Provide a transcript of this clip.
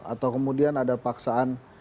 atau kemudian ada paksaan